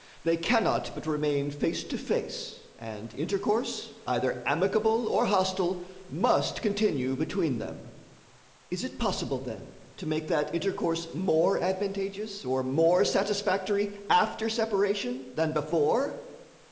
They cannot but remain face to face, and intercourse, either amicable or hostile, must continue between them. Is it possible, then, to make that intercourse more advantageous or more satisfactory after separation than before?